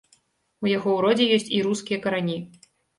У яго ў родзе ёсць і рускія карані.